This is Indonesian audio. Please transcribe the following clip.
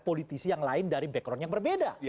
politisi yang lain dari background yang berbeda